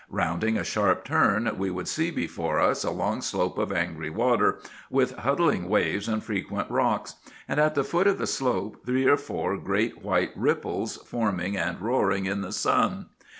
Rounding a sharp turn we would see before us a long slope of angry water, with huddling waves and frequent rocks; and at the foot of the slope three or four great white "ripples" foaming and roaring in the sun.